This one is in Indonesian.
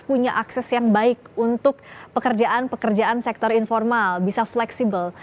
punya akses yang baik untuk pekerjaan pekerjaan sektor informal bisa fleksibel